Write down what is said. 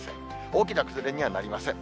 大きな崩れにはなりません。